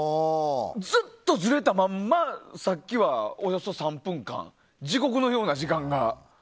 ずっとずれたまま、さっきはおよそ３分間地獄のような時間が。